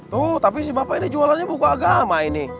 tuh tapi si bapak ini jualannya buku agama ini